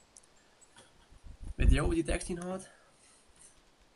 Witte jo wat dy tekst ynhâldt?